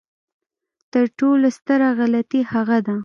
تر ټولو ستره غلطي هغه ده.